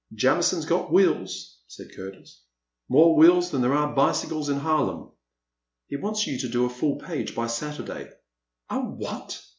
'* Jamison *s got wheels,*' said Curtis, —more wheels than there are bicycles in Harlem. He wants you to do a full page by Saturday." A what